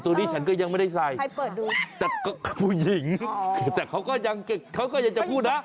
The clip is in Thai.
ตัวนี้ฉันก็ยังไม่ได้ใส่แต่ก็ผู้หญิงแต่เขาก็ยังจะพูดนะ